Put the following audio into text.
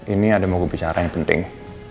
ini ada yang mau gue bicara yang penting